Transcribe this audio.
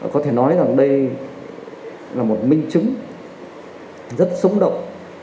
có thể nói rằng đây là một minh chứng rất sống động